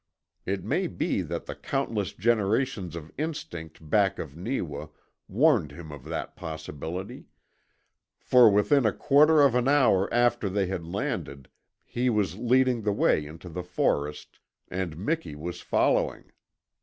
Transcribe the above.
It may be that the countless generations of instinct back of Neewa warned him of that possibility, for within a quarter of an hour after they had landed he was leading the way into the forest, and Miki was following.